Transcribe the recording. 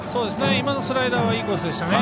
今のスライダーはいいコースでしたね。